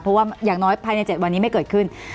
เพราะว่าอย่างน้อยภายใน๗วันนี้ไม่เกิดขึ้น